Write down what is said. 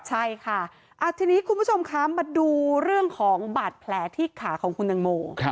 ใช่ค่ะทีนี้คุณผู้ชมคะมาดูเรื่องของบาดแผลที่ขาของคุณตังโม